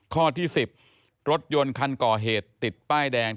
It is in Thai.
ข้อที่๑๐รถยนต์คันก่อเหตุติดป้ายแดง